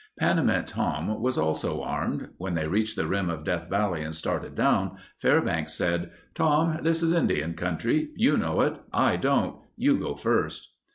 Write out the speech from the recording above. Panamint Tom was also armed. When they reached the rim of Death Valley and started down, Fairbanks said, "Tom, this is Indian country. You know it. I don't. You go first...."